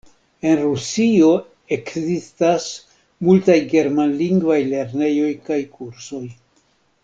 En Rusio ekzistas multaj germanlingvaj lernejoj kaj kursoj.